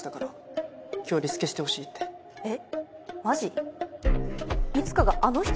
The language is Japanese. えっ？